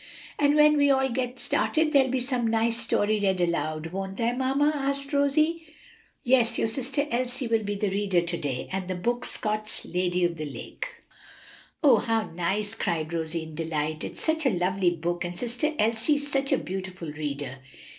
"And when we all get started there'll be some nice story read aloud, won't there, mamma?" asked Rosie. "Yes; your sister Elsie will be the reader to day, and the book Scott's 'Lady of the Lake.'" "Oh, how nice!" cried Rosie in delight; "it's such a lovely book, and sister Elsie's such a beautiful reader."